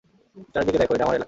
চারদিকে দেখ, এটা আমার এলাকা।